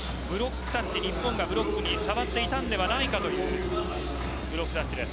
日本がブロックに触っていたんではないかというブロックタッチです。